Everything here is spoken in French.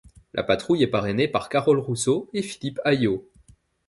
La patrouille est parrainée par Carole Rousseau et Philippe Alliot.